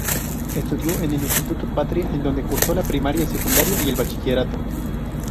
Estudió en el Instituto Patria en donde cursó la primaria, secundaria y el bachillerato.